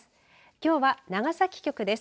きょうは、長崎局です。